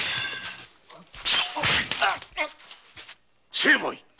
成敗！